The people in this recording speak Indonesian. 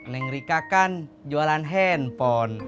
neng rika kan jualan handphone